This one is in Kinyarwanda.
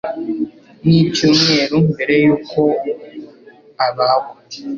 nicyumweru mbere y'uko abagwa